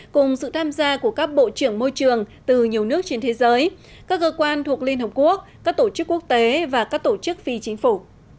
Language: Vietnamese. cùng sự tham gia của các bộ trưởng môi trường từ nhiều nước trên thế giới các cơ quan thuộc liên hợp quốc các tổ chức quốc tế và các tổ chức phi chính phủ